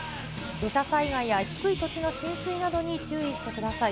土砂災害や低い土地の浸水などに注意してください。